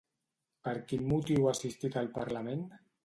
Per quin motiu ha assistit al Parlament?